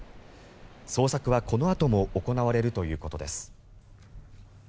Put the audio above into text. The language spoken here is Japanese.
捜索はこのあとも行われるということです。